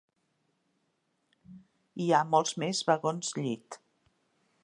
Hi ha molts més vagons llit.